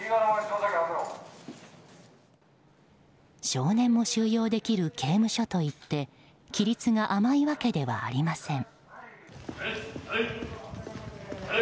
少年も収容できる刑務所といって規律が甘いわけではありません。